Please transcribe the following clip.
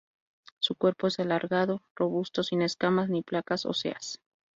Su cuerpo es alargado, robusto sin escamas ni placas óseas.